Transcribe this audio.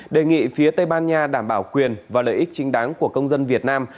đề nghị phía tây ban nha đảm bảo quyền và lợi ích chính đáng của công dân việt nam